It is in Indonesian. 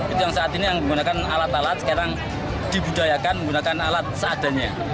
itu yang saat ini yang menggunakan alat alat sekarang dibudayakan menggunakan alat seadanya